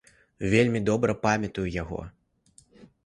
Вельмі добра памятаю яго.